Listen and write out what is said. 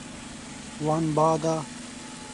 Wan ba da.